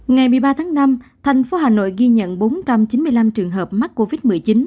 ngày một mươi ba tháng năm thành phố hà nội ghi nhận bốn trăm chín mươi năm trường hợp mắc covid một mươi chín